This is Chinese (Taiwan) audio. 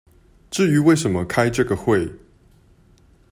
至於為什麼開這個會